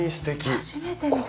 初めて見た。